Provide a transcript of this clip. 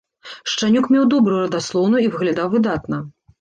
Шчанюк меў добрую радаслоўную і выглядаў выдатна.